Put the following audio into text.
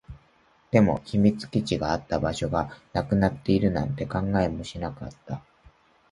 でも、秘密基地があった場所がなくなっているなんて考えもしなかった